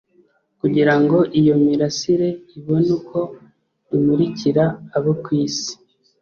kugira ngo iyo mirasire ibone uko imurikira abo ku isi !